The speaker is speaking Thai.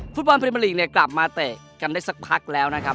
ฟุตบอลปริมาลิกกลับมาเตะกันได้สักพักแล้วนะครับ